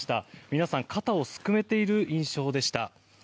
皆さん肩をすくめている印象でした。